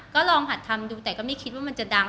ก็ลองหัดทำดูแต่ก็ไม่คิดว่ามันจะดัง